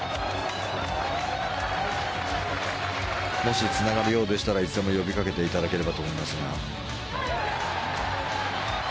もしつながるようでしたらいつでも呼びかけていただいたらと思いますが。